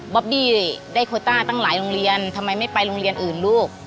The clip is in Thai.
อบบี้ได้โคต้าตั้งหลายโรงเรียนทำไมไม่ไปโรงเรียนอื่นลูก